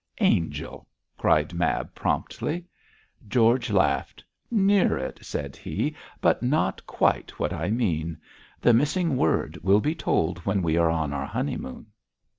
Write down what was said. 'Angel!' cried Mab, promptly. George laughed. 'Near it,' said he, 'but not quite what I mean. The missing word will be told when we are on our honeymoon.'